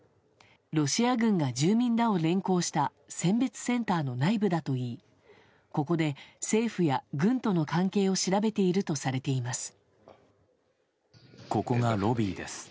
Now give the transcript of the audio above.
ロシア軍が住民らを連行した選別センターの内部だといいここで、政府や軍との関係を調べているとされています。